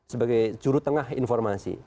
sebagai jurutengah informasi